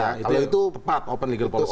itu tepat open legal policy